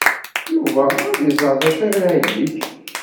Yuba ad iẓer d acu ara yeg.